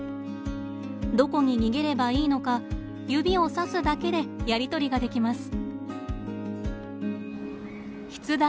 どこに逃げればいいのか指をさすだけでやりとりができます。